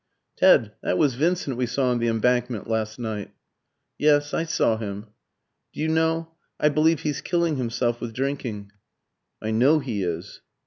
"Ted, that was Vincent we saw on the Embankment last night." "Yes, I saw him. "Do you know, I believe he's killing himself with drinking." "I know he is."